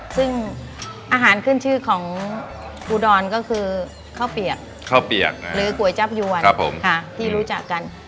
ซึ่งอาหารขึ้นชื่อของอุดรก็คือข้าวเปียกข้าวเปียกหรือก๋วยจับยวนที่รู้จักกัน